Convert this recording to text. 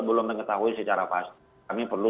belum mengetahui secara pasti kami perlu